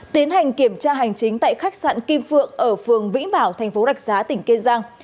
tiến hành kiểm tra hành chính tại khách sạn kim phượng ở phường vĩ bảo tp đạch giá tỉnh kê giang